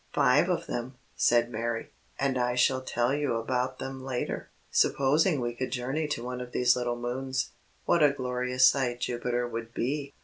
"Five of them," said Mary; "and I shall tell you about them later. Supposing we could journey to one of these little moons, what a glorious sight Jupiter would be!